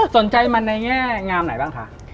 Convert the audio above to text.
สนใจมันในแง่งามไหนบ้างคะ